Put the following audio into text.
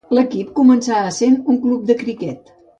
L'equip començà essent un club de criquet.